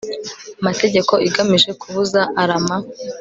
mategeko igamije kubuza ARAMA